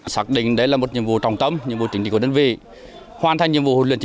xác định đấy là một nhiệm vụ trọng tâm nhiệm vụ chính trị của đơn vị